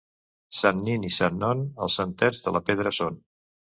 Sant Nin i Sant Non, els santets de la Pedra són.